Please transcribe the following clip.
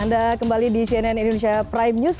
anda kembali di cnn indonesia prime news